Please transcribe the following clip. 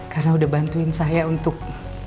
karena udah bantuin saya untuk